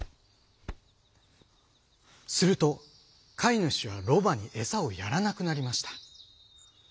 するとかいぬしはロバにえさをやらなくなりました。